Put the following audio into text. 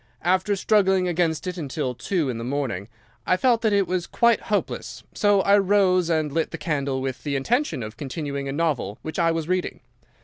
After struggling against it until two in the morning, I felt that it was quite hopeless, so I rose and lit the candle with the intention of continuing a novel which I was reading.